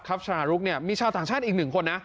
คัพชารุกนี่มีชาวต่างชาติอีก๑คนนะ